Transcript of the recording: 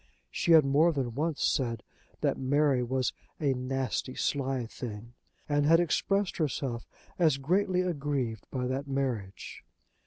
She had more than once said that Mary was a "nasty sly thing," and had expressed herself as greatly aggrieved by that marriage.